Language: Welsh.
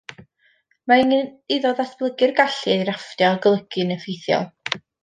Mae angen iddo ddatblygu'r gallu i ddrafftio a golygu'n effeithiol